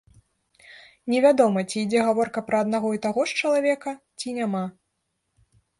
Не вядома, ці ідзе гаворка пра аднаго і таго ж чалавека, ці няма.